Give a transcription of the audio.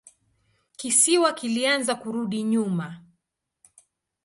Kisiwa kilianza kurudi nyuma.